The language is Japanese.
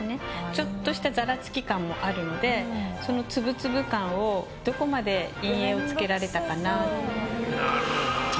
ちょっとしたざらつき感もあるのでその粒々感をどこまで陰影をつけられたかな。